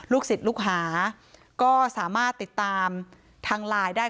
ศิษย์ลูกหาก็สามารถติดตามทางไลน์ได้